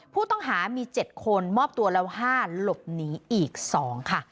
ผู้ต้องหามี๗คนมอบตัวแล้ว๕หลบหนีอีก๒ค่ะ